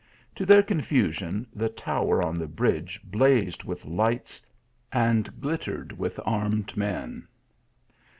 To their confusion the tower on the bridge blazed with lights and glittered with armed men.